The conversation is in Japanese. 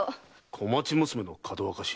小町娘のかどわかし？